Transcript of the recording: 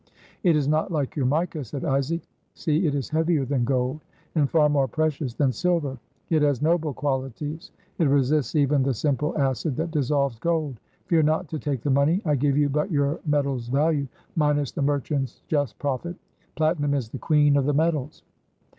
"It is not like your mica," said Isaac. "See, it is heavier than gold, and far more precious than silver. It has noble qualities. It resists even the simple acid that dissolves gold. Fear not to take the money. I give you but your metal's value, minus the merchant's just profit. Platinum is the queen of the metals."